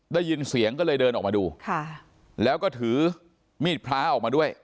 ได้ยินเสียงก็เลยเดินออกมาดูค่ะแล้วก็ถือมีดพระออกมาด้วย